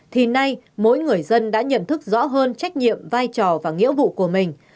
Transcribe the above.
thì nay mỗi người dân đã nhận thức rõ hơn trách nhiệm vai trò và nghĩa vụ của mình